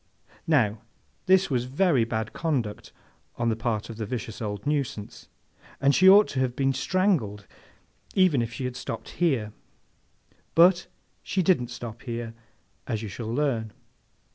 Now, this was very bad conduct on the part of the vicious old nuisance, and she ought to have been strangled, even if she had stopped here; but, she didn't stop here, as you shall learn.